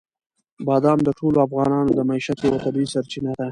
بادام د ټولو افغانانو د معیشت یوه طبیعي سرچینه ده.